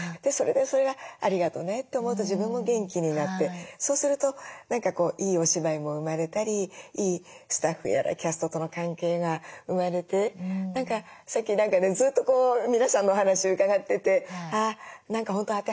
それでそれがありがとねって思うと自分も元気になってそうするといいお芝居も生まれたりいいスタッフやらキャストとの関係が生まれて何かさっき何かねずっと皆さんのお話伺っててあ何か本当